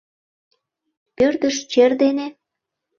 Пӧрдыш чер дене?